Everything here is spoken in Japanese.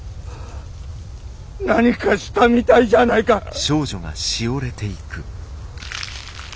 何かしたみたいじゃあないかッ！